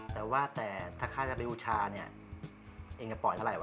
แต่ว่าแต่ถ้าข้าจะไปบูชาเนี่ยเองจะปล่อยเท่าไหว